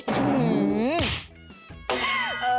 หือ